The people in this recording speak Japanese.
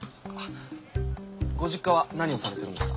ご実家は何をされてるんですか？